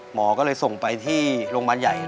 หมอก็เลยส่งไปที่โรงพยาบาลใหญ่